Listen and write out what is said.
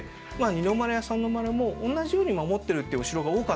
二の丸や三の丸もおんなじように守ってるっていうお城が多かったんです。